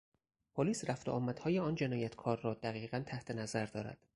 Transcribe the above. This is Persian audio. پلیس رفت و آمدهای آن جنایتکار را دقیقا تحت نظر دارد.